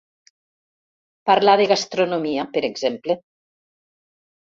Parlar de gastronomia, per exemple.